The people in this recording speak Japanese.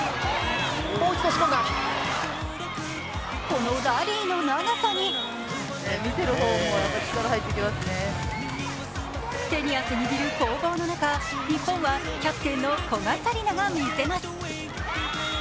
このラリーの長さに手に汗握る攻防の中、日本はキャプテンの古賀紗理那がみせます。